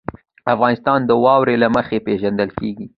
افغانستان د واوره له مخې پېژندل کېږي.